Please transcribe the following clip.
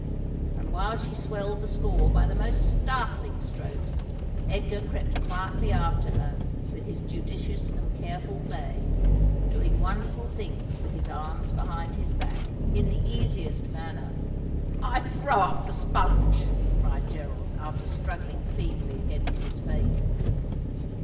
And while she swelled the score by the most startling strokes, Edgar crept quietly after her with his judicious and careful play — doing wonderful things with his arms behind bis back, in the easiest manner. ' I throw up the sponge,' cried Gerald, after struggling feebly against his fate.